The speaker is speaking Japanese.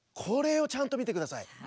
これをちゃんとみてください。